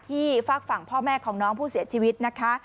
ฝากฝั่งพ่อแม่ของน้องผู้เสียชีวิตนะคะ